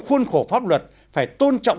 khuôn khổ pháp luật phải tôn trọng